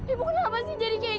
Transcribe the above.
ibu kenapa sih jadi kayak gini